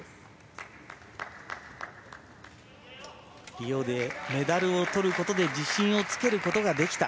リオでメダルをとることで自信をつけることができた。